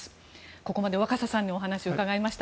ここまで若狭さんにお話伺いました。